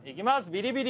ビリビリ